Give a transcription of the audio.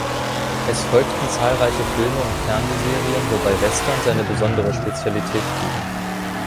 Es folgten zahlreiche Filme und Fernsehserien, wobei Western seine besondere Spezialität blieben.